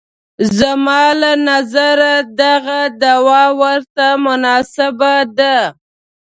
زما له نظره دغه دوا ورته مناسبه ده.